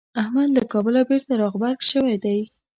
احمد له کابله بېرته راغبرګ شوی دی.